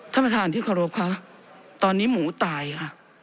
ท่านประธานที่เคารพค่ะตอนนี้หมูตายค่ะ